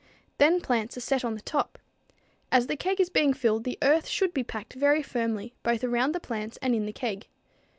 Then plants are set on the top. As the keg is being filled the earth should be packed very firmly, both around the plants and in the keg.